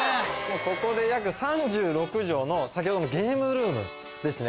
ここで約３６帖のゲームルームですね。